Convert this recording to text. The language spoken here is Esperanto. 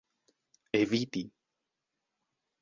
eviti